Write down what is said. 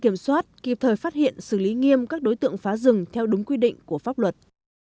kiểm soát kịp thời phát hiện xử lý nghiêm các đối tượng phá rừng theo đúng quy định của pháp luật